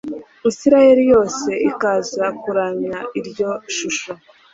israheli yose ikaza kuramya iryo shusho